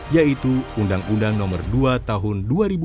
yaitu undang undang nomor dua tahun dua ribu dua